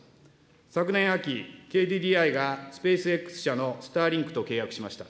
昨年秋、ＫＤＤＩがスペースＸ社のスターリンクと契約しました。